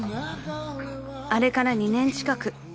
［あれから２年近く］